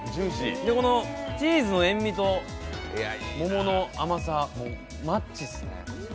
このチーズの塩みと桃の甘さ、マッチっすね。